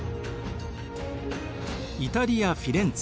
イタリア・フィレンツェ